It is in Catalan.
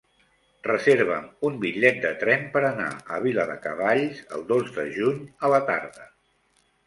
Reserva'm un bitllet de tren per anar a Viladecavalls el dos de juny a la tarda.